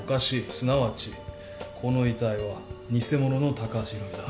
すなわちこの遺体は偽者の高橋博美だ。